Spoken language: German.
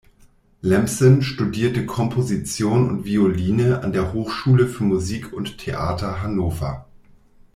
Lampson studierte Komposition und Violine an der Hochschule für Musik und Theater Hannover.